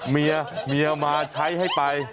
เมียเมียมาใช้ให้ไป